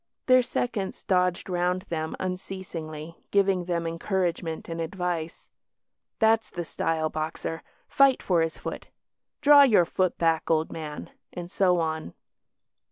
Their seconds dodged round them unceasingly, giving them encouragement and advice "That's the style, Boxer fight for his foot" "Draw your foot back, old man," and so on.